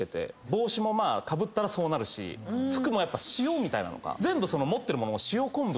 帽子もかぶったらそうなるし服もやっぱ塩みたいなのが。